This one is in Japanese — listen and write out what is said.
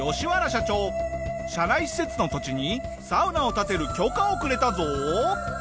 社内施設の土地にサウナを建てる許可をくれたぞ！